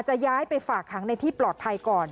ย้ายไปฝากหางในที่ปลอดภัยก่อน